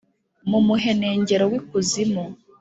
mu muhenengero w’ikuzimu!»